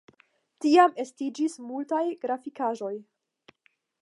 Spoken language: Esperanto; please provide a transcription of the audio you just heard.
Tiam estiĝis multaj grafikaĵoj.